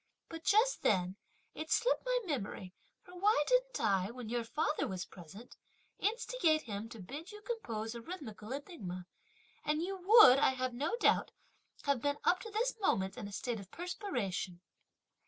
But just then it slipped my memory, for why didn't I, when your father was present, instigate him to bid you compose a rhythmical enigma; and you would, I have no doubt, have been up to this moment in a state of perspiration!"